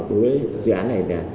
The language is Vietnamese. với dự án này